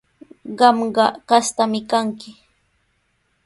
Qamqa kastaami kanki.